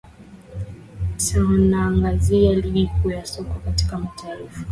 tunaangalizia ligi kuu za soka katika mataifa